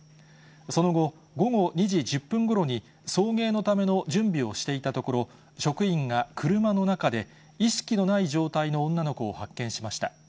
その後、午後２時１０分ごろに、送迎のための準備をしていたところ、職員が車の中で、意識のない状態の女の子を発見しました。